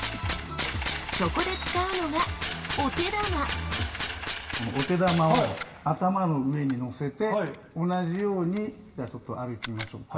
そこで使うのがこのお手玉を頭の上に乗せて同じように歩いてみましょうか。